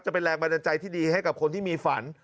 จะเป็นแรงบันดาลใจที่ดีให้กับคนที่มีฝัน